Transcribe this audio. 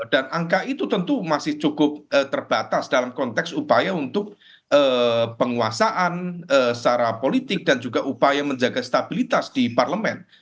dan angka itu tentu masih cukup terbatas dalam konteks upaya untuk penguasaan secara politik dan juga upaya menjaga stabilitas di parlemen